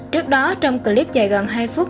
trước đó trong clip dài gần hai phút